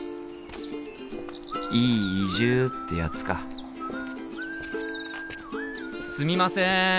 いい移住ってやつかすみません！